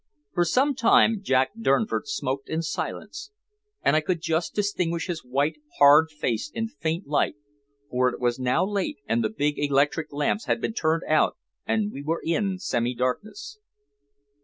For some time Jack Durnford smoked in silence, and I could just distinguish his white, hard face in the faint light, for it was now late, and the big electric lamps had been turned out and we were in semi darkness.